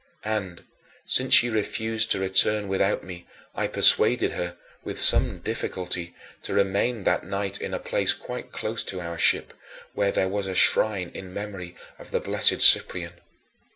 And, since she refused to return without me, I persuaded her, with some difficulty, to remain that night in a place quite close to our ship, where there was a shrine in memory of the blessed Cyprian.